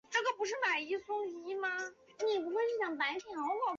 该地区的主要城镇是欧拜伊德。